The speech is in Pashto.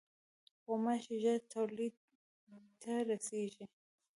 غوماشې ژر تولید ته رسېږي.